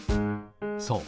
そう。